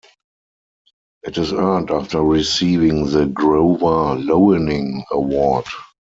It is earned after receiving the Grover Loening Award.